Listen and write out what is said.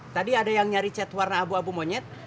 tadi ada yang nyari chat warna abu abu monyet